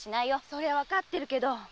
そりゃわかってるけど。